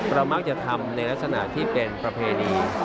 เรามักจะทำในลักษณะที่เป็นประเพณี